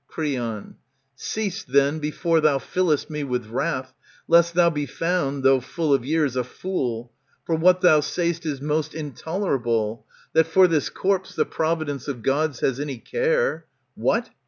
C?'eon, Cease then, before thou fillest me with wrath, Lest thou be found, though full of years, a fool, ^^^ For what thou say'st is most intolerable. That for this corpse the providence of Gods Has any care. What